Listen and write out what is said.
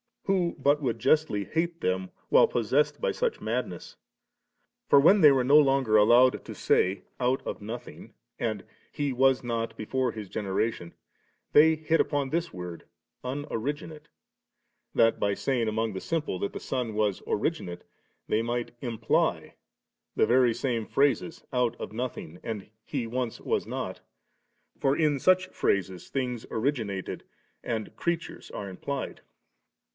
who but would jusdy hate them while possessed by such a madness ? for when they were no longer allowed to say * out of nothing* and *He was not before His generation,' they hit upon this word * unorigin ate,' that, by saying among the simple that the Son was * originate,' they might imply the very same phrases * out of nothing,' and ' He once was not;' for in such phrases thmgs originated and creatures are implied 33.